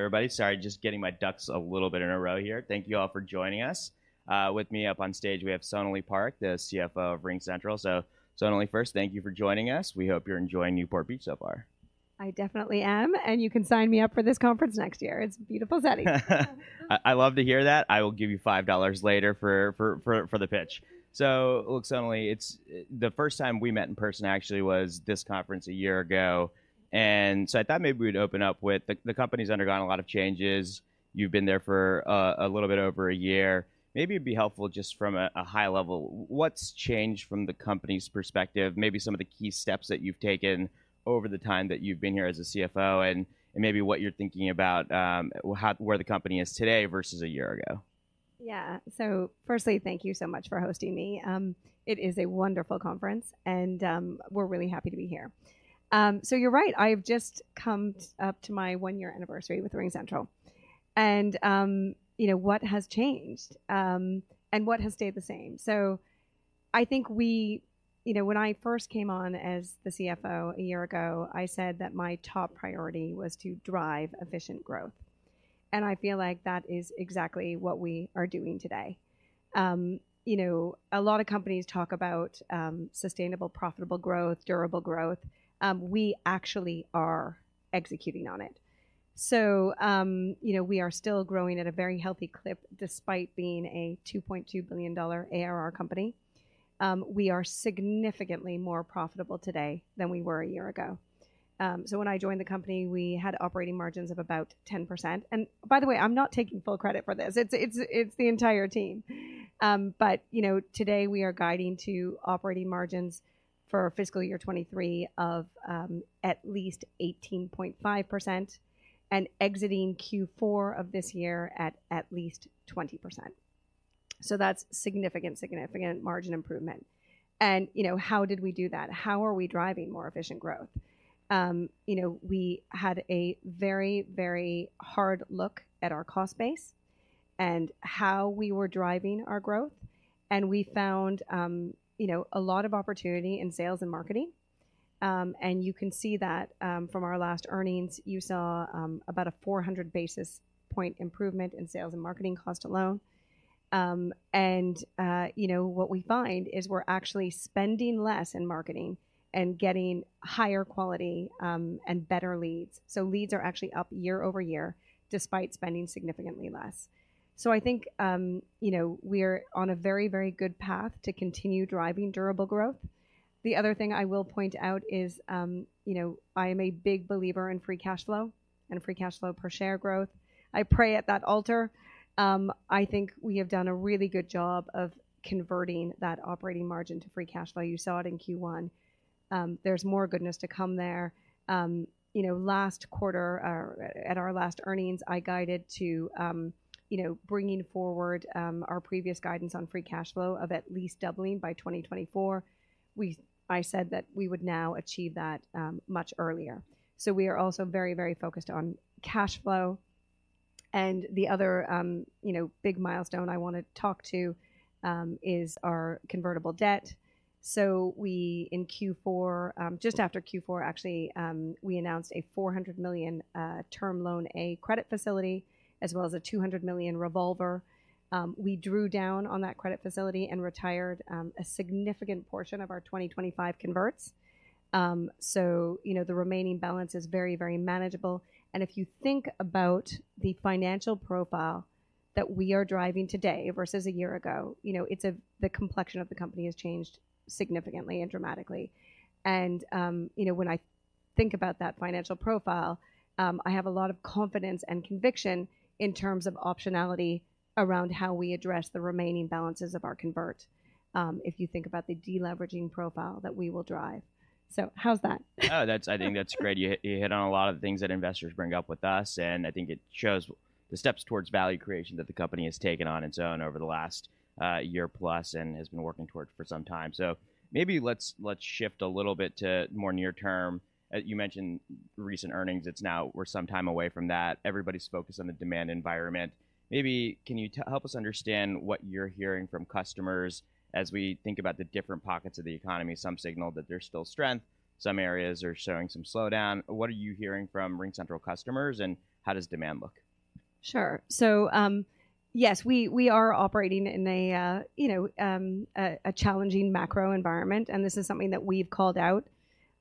Everybody. Sorry, just getting my ducks a little bit in a row here. Thank you all for joining us. with me up on stage, we have Sonalee Parekh, the CFO of RingCentral. Sonali, first, thank you for joining us. We hope you're enjoying Newport Beach so far. I definitely am, you can sign me up for this conference next year. It's a beautiful setting. I love to hear that. I will give you five dollar later for the pitch. Look, Sonali, the first time we met in person actually was this conference a year ago, I thought maybe we'd open up with, the company's undergone a lot of changes. You've been there for a little bit over a year. Maybe it'd be helpful just from a high level, what's changed from the company's perspective? Maybe some of the key steps that you've taken over the time that you've been here as a CFO, and maybe what you're thinking about, where the company is today versus a year ago. Yeah. Firstly, thank you so much for hosting me. It is a wonderful conference, and we're really happy to be here. You're right. I've just come up to my one-year anniversary with RingCentral, and, you know, what has changed and what has stayed the same? I think, you know, when I first came on as the CFO a year ago, I said that my top priority was to drive efficient growth, and I feel like that is exactly what we are doing today. You know, a lot of companies talk about sustainable, profitable growth, durable growth. We actually are executing on it. You know, we are still growing at a very healthy clip, despite being a $2.2 billion ARR company. We are significantly more profitable today than we were a year ago. When I joined the company, we had operating margins of about 10%. By the way, I'm not taking full credit for this; it's the entire team. You know, today, we are guiding to operating margins for fiscal year 23 of at least 18.5% and exiting Q4 of this year at at least 20%. That's significant margin improvement. You know, how did we do that? How are we driving more efficient growth? You know, we had a very hard look at our cost base and how we were driving our growth, and we found, you know, a lot of opportunity in sales and marketing. And you can see that from our last earnings, you saw about a 400 basis point improvement in sales and marketing cost alone. You know, what we find is we're actually spending less in marketing and getting higher quality, and better leads. Leads are actually up year-over-year, despite spending significantly less. I think, you know, we are on a very, very good path to continue driving durable growth. The other thing I will point out is, you know, I am a big believer in free cash flow and free cash flow per share growth. I pray at that altar. I think we have done a really good job of converting that operating margin to free cash flow. You saw it in Q1. There's more goodness to come there. You know, last quarter, at our last earnings, I guided to, you know, bringing forward, our previous guidance on free cash flow of at least doubling by 2024. I said that we would now achieve that much earlier. We are also very, very focused on cash flow. The other, you know, big milestone I wanna talk to is our convertible debt. We in Q4, just after Q4, actually, we announced a $400 million term loan, a credit facility, as well as a $200 million revolver. We drew down on that credit facility and retired a significant portion of our 2025 converts. You know, the remaining balance is very, very manageable. If you think about the financial profile that we are driving today versus a year ago, you know, the complexion of the company has changed significantly and dramatically. You know, when I think about that financial profile, I have a lot of confidence and conviction in terms of optionality around how we address the remaining balances of our convert, if you think about the deleveraging profile that we will drive. How's that? Oh, I think that's great. You hit on a lot of the things that investors bring up with us. I think it shows the steps towards value creation that the company has taken on its own over the last year plus and has been working towards for some time. Maybe let's shift a little bit to more near term. You mentioned recent earnings. We're some time away from that. Everybody's focused on the demand environment. Maybe can you help us understand what you're hearing from customers as we think about the different pockets of the economy? Some signal that there's still strength, some areas are showing some slowdown. What are you hearing from RingCentral customers, and how does demand look? Sure. Yes, we are operating in a you know challenging macro environment, and this is something that we've called out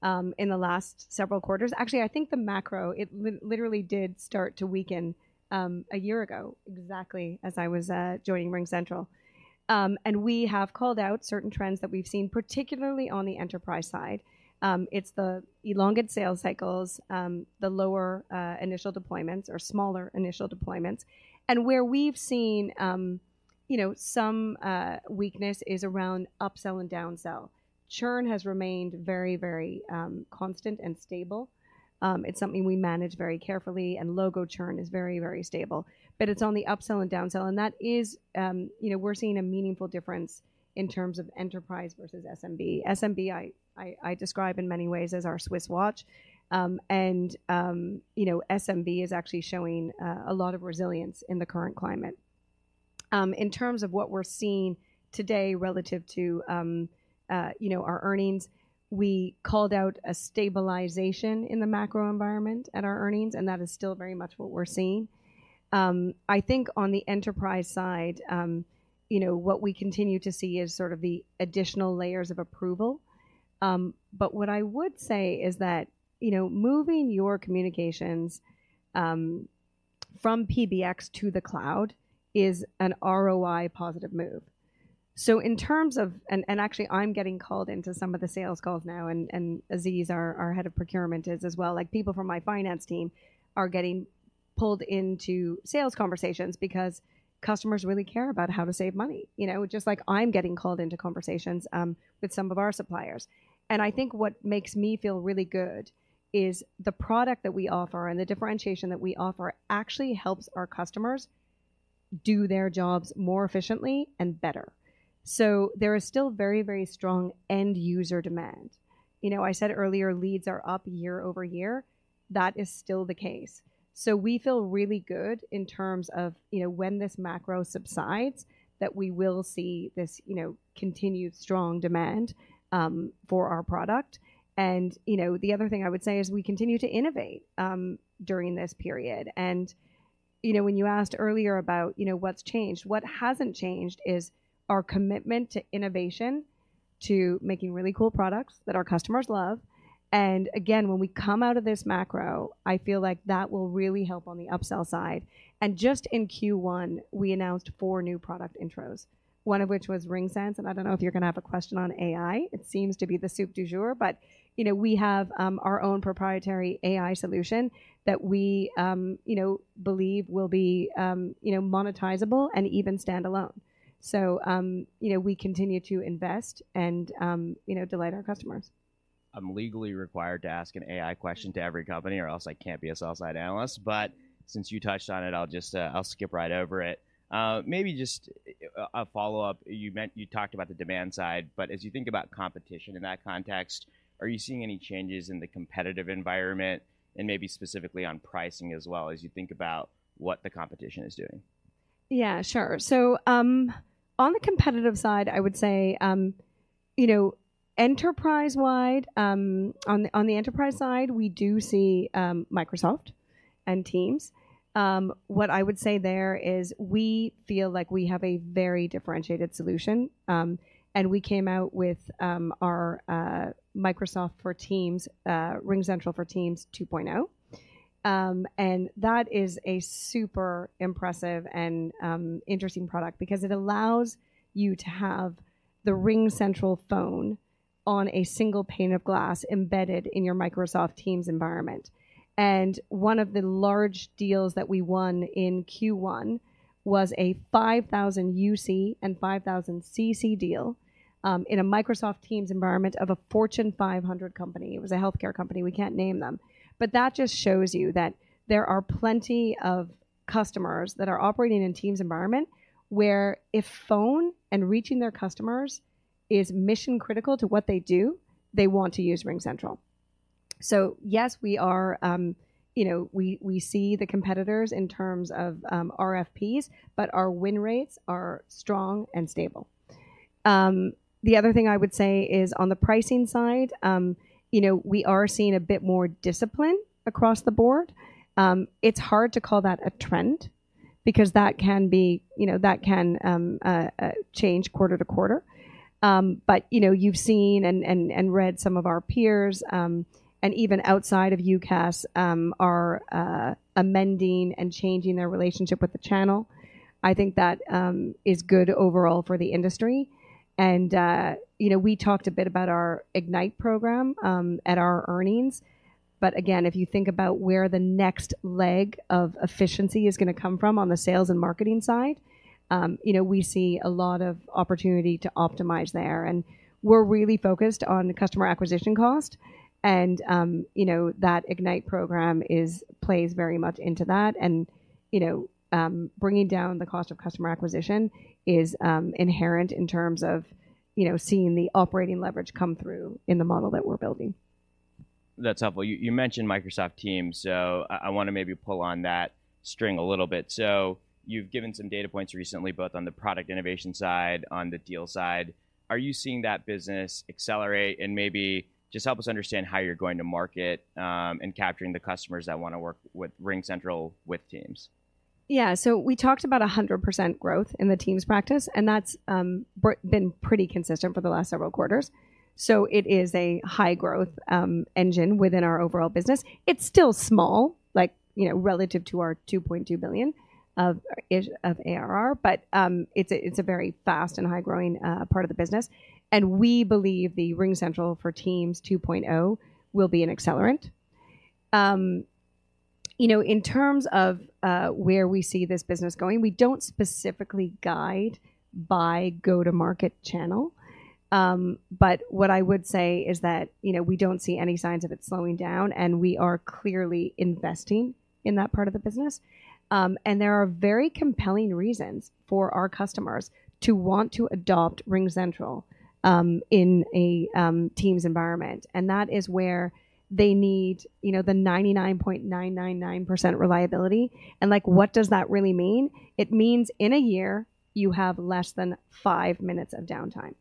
in the last several quarters. Actually, I think the macro literally did start to weaken a year ago, exactly as I was joining RingCentral. We have called out certain trends that we've seen, particularly on the enterprise side. It's the elongated sales cycles, the lower initial deployments or smaller initial deployments. Where we've seen, you know, some weakness is around upsell and downsell. Churn has remained very constant and stable. It's something we manage very carefully, and logo churn is very stable. It's on the upsell and downsell, and that is. You know, we're seeing a meaningful difference in terms of enterprise versus SMB. SMB, I describe in many ways as our Swiss watch. You know, SMB is actually showing a lot of resilience in the current climate. In terms of what we're seeing today relative to, you know, our earnings, we called out a stabilization in the macro environment at our earnings, and that is still very much what we're seeing. I think on the enterprise side, you know, what we continue to see is sort of the additional layers of approval. What I would say is that, you know, moving your communications, from PBX to the cloud is an ROI-positive move. Actually, I'm getting called into some of the sales calls now, and Aziz, our Head of Procurement, is as well. People from my finance team are getting pulled into sales conversations because customers really care about how to save money, you know, just like I'm getting called into conversations with some of our suppliers. I think what makes me feel really good is the product that we offer and the differentiation that we offer actually helps our customers do their jobs more efficiently and better. There is still very, very strong end user demand. You know, I said earlier, leads are up year-over-year. That is still the case. We feel really good in terms of, you know, when this macro subsides, that we will see this, you know, continued strong demand for our product. You know, the other thing I would say is we continue to innovate during this period. you know, when you asked earlier about, you know, what's changed, what hasn't changed is our commitment to innovation, to making really cool products that our customers love. Again, when we come out of this macro, I feel like that will really help on the upsell side. Just in Q1, we announced four new product intros, one of which was RingSense, and I don't know if you're gonna have a question on AI. It seems to be the soup du jour, but, you know, we have our own proprietary AI solution that we, you know, believe will be, you know, monetizable and even standalone. you know, we continue to invest and, you know, delight our customers. I'm legally required to ask an AI question to every company, or else I can't be a sell-side analyst, but since you touched on it, I'll just, I'll skip right over it. Maybe just a follow-up. You talked about the demand side, but as you think about competition in that context, are you seeing any changes in the competitive environment and maybe specifically on pricing as well, as you think about what the competition is doing? Sure. On the competitive side, I would say, you know, enterprise-wide, on the, on the enterprise side, we do see Microsoft and Teams. What I would say there is we feel like we have a very differentiated solution, and we came out with our Microsoft for Teams, RingCentral for Teams 2.0. That is a super impressive and interesting product because it allows you to have the RingCentral phone on a single pane of glass embedded in your Microsoft Teams environment. One of the large deals that we won in Q1 was a 5,000 UC and 5,000 CC deal, in a Microsoft Teams environment of a Fortune 500 company. It was a healthcare company. We can't name them. That just shows you that there are plenty of customers that are operating in Teams environment, where if phone and reaching their customers is mission critical to what they do, they want to use RingCentral. Yes, we are, you know, we see the competitors in terms of RFPs, but our win rates are strong and stable. The other thing I would say is on the pricing side, you know, we are seeing a bit more discipline across the board. It's hard to call that a trend because that can, you know, that can change quarter to quarter. You know, you've seen and read some of our peers, and even outside of UCaaS, are amending and changing their relationship with the channel. I think that is good overall for the industry. You know, we talked a bit about our IGNITE! program at our earnings, but again, if you think about where the next leg of efficiency is gonna come from on the sales and marketing side, you know, we see a lot of opportunity to optimize there. We're really focused on customer acquisition cost, and, you know, that IGNITE! program plays very much into that. You know, bringing down the cost of customer acquisition is inherent in terms of, you know, seeing the operating leverage come through in the model that we're building. That's helpful. You mentioned Microsoft Teams, I wanna maybe pull on that string a little bit. You've given some data points recently, both on the product innovation side, on the deal side. Are you seeing that business accelerate? Maybe just help us understand how you're going to market in capturing the customers that wanna work with RingCentral, with Teams. We talked about 100% growth in the Teams practice, and that's been pretty consistent for the last several quarters. It is a high-growth engine within our overall business. It's still small, like, you know, relative to our $2.2 billion of ARR, it's a very fast and high-growing part of the business, and we believe the RingCentral for Teams 2.0 will be an accelerant. You know, in terms of where we see this business going, we don't specifically guide by go-to-market channel. What I would say is that, you know, we don't see any signs of it slowing down, and we are clearly investing in that part of the business. There are very compelling reasons for our customers to want to adopt RingCentral in a Teams environment, and that is where they need, you know, the 99.999% reliability. Like, what does that really mean? It means in a year, you have less than five minutes of downtime.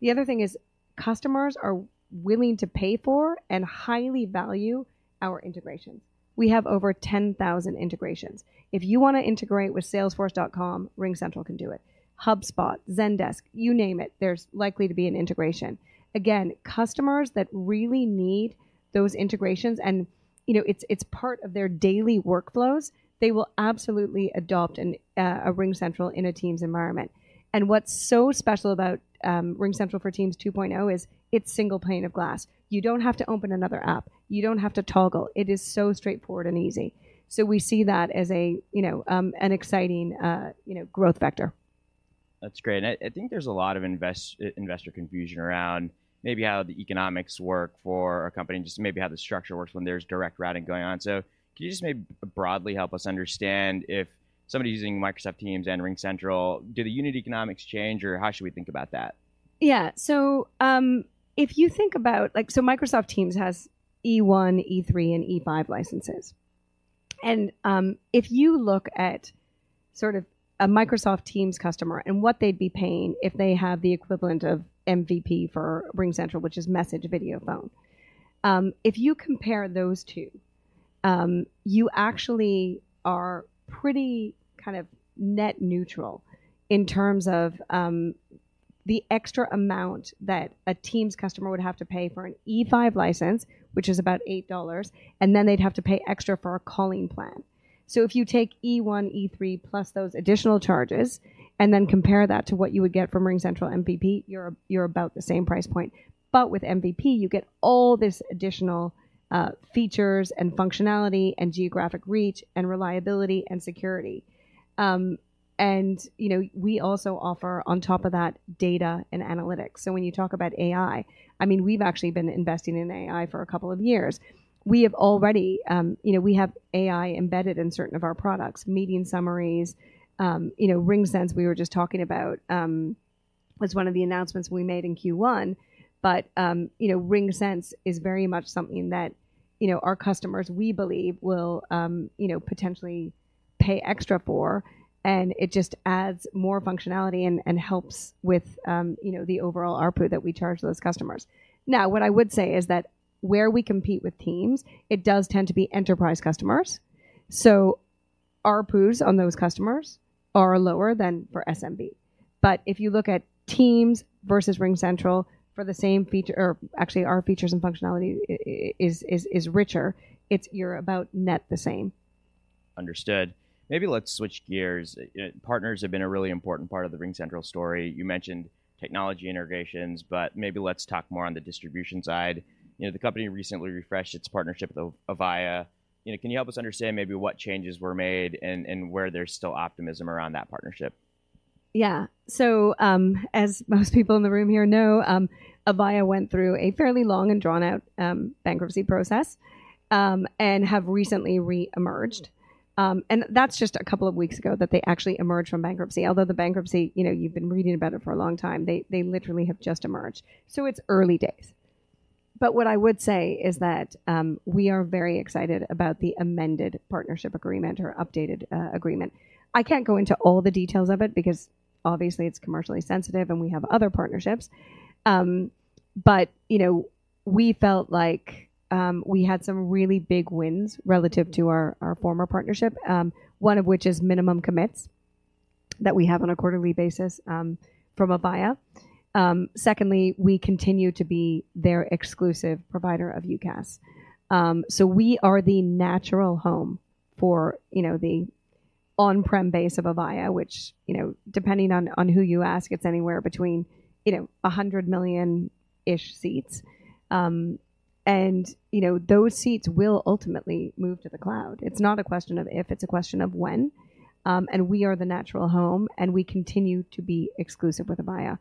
The other thing is customers are willing to pay for and highly value our integrations. We have over 10,000 integrations. If you wanna integrate with Salesforce.com, RingCentral can do it. HubSpot, Zendesk, you name it, there's likely to be an integration. Again, customers that really need those integrations, and, you know, it's part of their daily workflows, they will absolutely adopt an a RingCentral in a Teams environment. What's so special about RingCentral for Teams 2.0 is, it's single pane of glass. You don't have to open another app. You don't have to toggle. It is so straightforward and easy. We see that as a, you know, an exciting, you know, growth vector. That's great. I think there's a lot of investor confusion around maybe how the economics work for a company and just maybe how the structure works when there's direct routing going on. Can you just maybe broadly help us understand if somebody using Microsoft Teams and RingCentral, do the unit economics change, or how should we think about that? Like Microsoft Teams has E1, E3, and E5 licenses. If you look at sort of a Microsoft Teams customer and what they'd be paying if they have the equivalent of MVP for RingCentral, which is message, video, phone. If you compare those two, you actually are pretty kind of net neutral in terms of the extra amount that a Teams customer would have to pay for an E5 license, which is about eight dollar, and then they'd have to pay extra for our calling plan. If you take E1, E3, plus those additional charges, and then compare that to what you would get from RingCentral MVP, you're about the same price point. With MVP, you get all this additional features and functionality, and geographic reach, and reliability and security. You know, we also offer on top of that, data and analytics. When you talk about AI, I mean, we've actually been investing in AI for a couple of years. We have already, you know, we have AI embedded in certain of our products, meeting summaries, you know, RingSense, we were just talking about, was one of the announcements we made in Q1. You know, RingSense is very much something that, you know, our customers, we believe, will, you know, potentially pay extra for, and it just adds more functionality and helps with, you know, the overall ARPU that we charge those customers. Now, what I would say is that where we compete with Teams, it does tend to be enterprise customers, ARPUs on those customers are lower than for SMB. if you look at Teams versus RingCentral for the same feature or actually, our features and functionality is richer, it's you're about net the same. Understood. Maybe let's switch gears. Partners have been a really important part of the RingCentral story. You mentioned technology integrations, but maybe let's talk more on the distribution side. You know, the company recently refreshed its partnership with Avaya. You know, can you help us understand maybe what changes were made and where there's still optimism around that partnership? Yeah. As most people in the room here know, Avaya went through a fairly long and drawn-out bankruptcy process and have recently reemerged. That's just 2 weeks ago that they actually emerged from bankruptcy, although the bankruptcy, you know, you've been reading about it for a long time, they literally have just emerged, so it's early days. What I would say is that we are very excited about the amended partnership agreement or updated agreement. I can't go into all the details of it because obviously it's commercially sensitive, and we have other partnerships. You know, we felt like we had some really big wins relative to our former partnership, one of which is minimum commits that we have on a quarterly basis from Avaya. Secondly, we continue to be their exclusive provider of UCaaS. We are the natural home for, you know, the on-prem base of Avaya, which, you know, depending on who you ask, it's anywhere between, you know, 100 million-ish seats. Those seats will ultimately move to the cloud. It's not a question of if, it's a question of when. We are the natural home, and we continue to be exclusive with Avaya.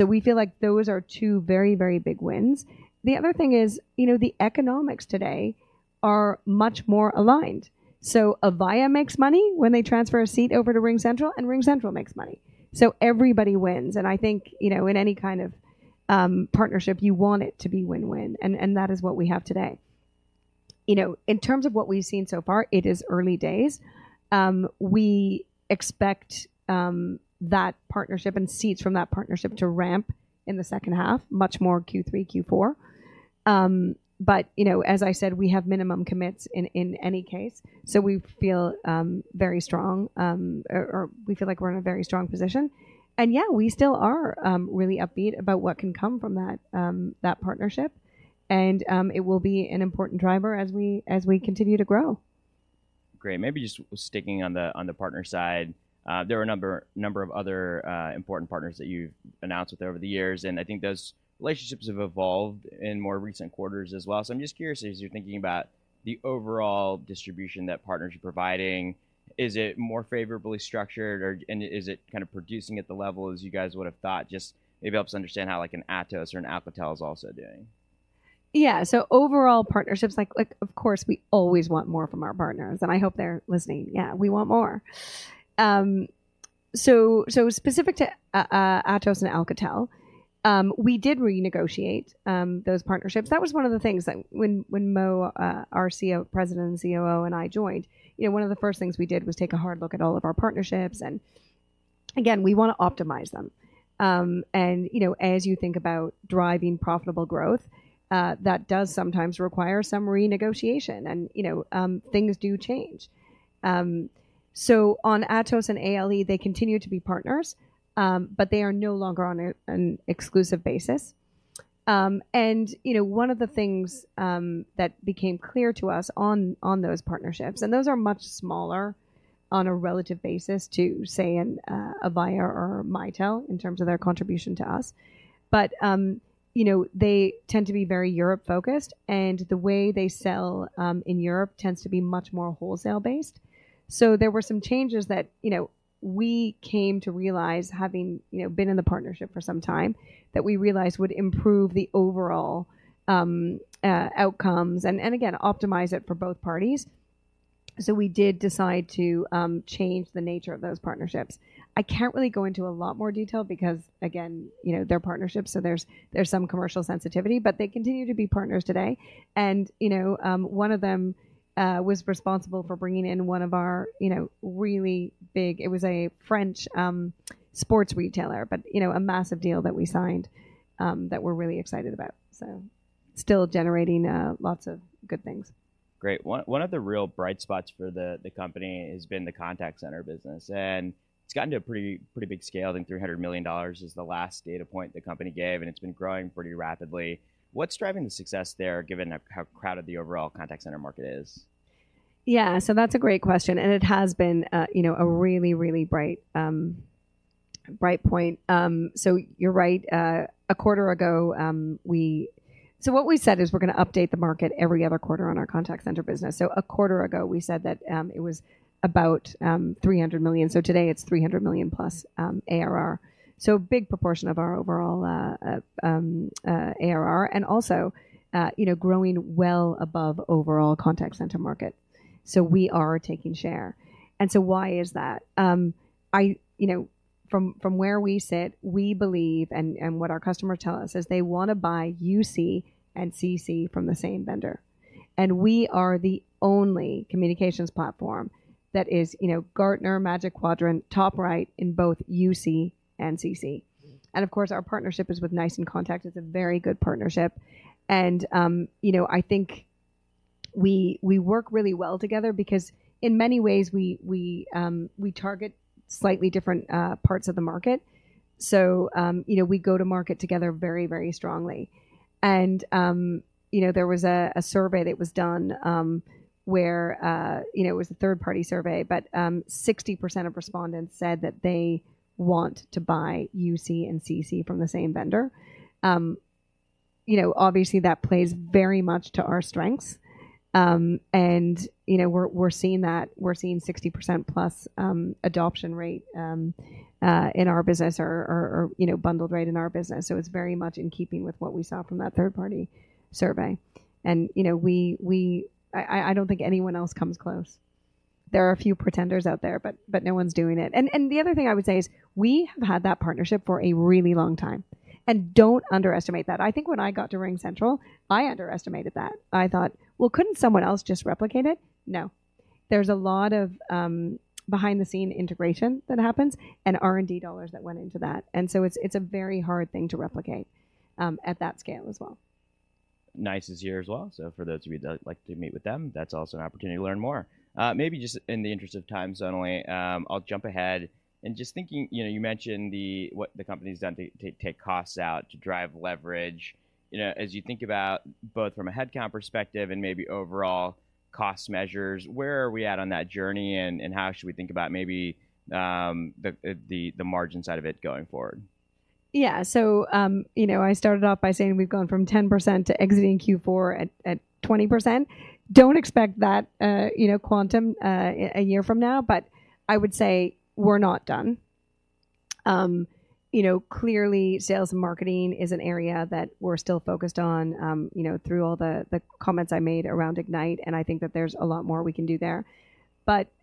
We feel like those are two very, very big wins. The other thing is, you know, the economics today are much more aligned. Avaya makes money when they transfer a seat over to RingCentral, and RingCentral makes money, so everybody wins. I think, you know, in any kind of, partnership, you want it to be win-win, and that is what we have today. You know, in terms of what we've seen so far, it is early days. We expect that partnership and seats from that partnership to ramp in the second half, much more Q3, Q4. You know, as I said, we have minimum commits in any case, so we feel very strong, or we feel like we're in a very strong position. Yeah, we still are really upbeat about what can come from that partnership, and it will be an important driver as we continue to grow. Great. Maybe just sticking on the, on the partner side. There are a number of other, important partners that you've announced with over the years, and I think those relationships have evolved in more recent quarters as well. I'm just curious, as you're thinking about the overall distribution that partners are providing, is it more favorably structured, and is it kind of producing at the level as you guys would have thought? Just maybe help us understand how, like, an Atos or an Alcatel is also doing. Overall partnerships, like, of course, we always want more from our partners, and I hope they're listening. We want more. Specific to Atos and Alcatel, we did renegotiate those partnerships. That was one of the things that when Mo, our CEO, President and COO, and I joined, you know, one of the first things we did was take a hard look at all of our partnerships. Again, we want to optimize them. As you think about driving profitable growth, that does sometimes require some renegotiation, and, you know, things do change. On Atos and ALE, they continue to be partners, but they are no longer on an exclusive basis. You know, one of the things that became clear to us on those partnerships, and those are much smaller on a relative basis to, say, an Avaya or Mitel in terms of their contribution to us. You know, they tend to be very Europe-focused, and the way they sell in Europe tends to be much more wholesale-based. There were some changes that, you know, we came to realize, having, you know, been in the partnership for some time, that we realized would improve the overall outcomes and again, optimize it for both parties. We did decide to change the nature of those partnerships. I can't really go into a lot more detail because, again, you know, they're partnerships, so there's some commercial sensitivity, but they continue to be partners today. You know, one of them was responsible for bringing in one of our, you know, really big. It was a French sports retailer, but, you know, a massive deal that we signed that we're really excited about. Still generating lots of good things. Great. One of the real bright spots for the company has been the contact center business. It's gotten to a pretty big scale. I think $300 million is the last data point the company gave. It's been growing pretty rapidly. What's driving the success there, given how crowded the overall contact center market is? Yeah. That's a great question, and it has been, you know, a really, really bright point. You're right. A quarter ago, what we said is we're gonna update the market every other quarter on our contact center business. A quarter ago, we said that it was about $300 million. Today it's $300 million-plus ARR. A big proportion of our overall ARR and also, you know, growing well above overall contact center market. We are taking share. Why is that? You know, from where we sit, we believe, and what our customers tell us, is they want to buy UC and CC from the same vendor, and we are the only communications platform that is, you know, Gartner Magic Quadrant, top right, in both UC and CC. Of course, our partnership is with NICE inContact. It's a very good partnership. You know, I think we work really well together because in many ways, we target slightly different parts of the market. You know, we go to market together very strongly. You know, there was a survey that was done where, you know, it was a third-party survey, but 60% of respondents said that they want to buy UC and CC from the same vendor. You know, obviously, that plays very much to our strengths. You know, we're seeing that. We're seeing 60% plus adoption rate in our business or, you know, bundled rate in our business. It's very much in keeping with what we saw from that third-party survey. You know, we. I don't think anyone else comes close. There are a few pretenders out there, but no one's doing it. The other thing I would say is, we have had that partnership for a really long time, and don't underestimate that. I think when I got to RingCentral, I underestimated that. I thought, "Well, couldn't someone else just replicate it?" No. There's a lot of behind-the-scene integration that happens and R&D dollars that went into that, it's a very hard thing to replicate at that scale as well. NICE is here as well, so for those of you that would like to meet with them, that's also an opportunity to learn more. Maybe just in the interest of time, Sonali, I'll jump ahead. Just thinking, you know, you mentioned the, what the company's done to take costs out, to drive leverage. You know, as you think about both from a headcount perspective and maybe overall cost measures, where are we at on that journey, and how should we think about maybe, the, the margin side of it going forward? Yeah. You know, I started off by saying we've gone from 10% to exiting Q4 at 20%. Don't expect that, you know, quantum a year from now. I would say we're not done. You know, clearly, sales and marketing is an area that we're still focused on, you know, through all the comments I made around IGNITE! I think that there's a lot more we can do there.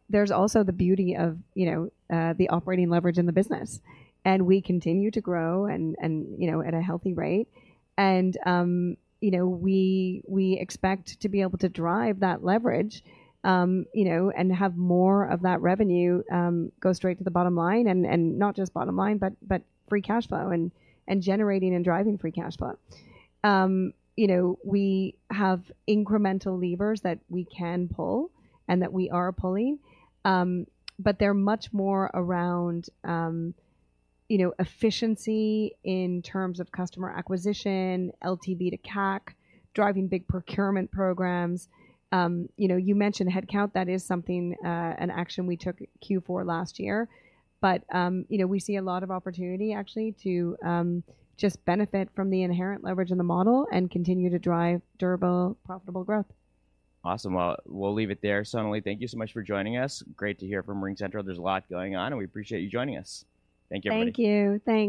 There's also the beauty of, you know, the operating leverage in the business. We continue to grow, you know, at a healthy rate. You know, we expect to be able to drive that leverage, you know, and have more of that revenue go straight to the bottom line and not just bottom line, but free cash flow and generating and driving free cash flow. You know, we have incremental levers that we can pull and that we are pulling. They're much more around, you know, efficiency in terms of customer acquisition, LTV to CAC, driving big procurement programs. You know, you mentioned headcount. That is something, an action we took Q4 last year. You know, we see a lot of opportunity actually to just benefit from the inherent leverage in the model and continue to drive durable, profitable growth. Awesome. Well, we'll leave it there. Sonali, thank you so much for joining us. Great to hear from RingCentral. There's a lot going on, and we appreciate you joining us. Thank you, everybody. Thank you.